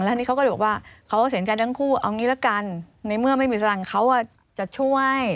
ให้เราเอาอย่างนี้ละกันในเมื่อไม่มีสตังค์เขาจะช่วย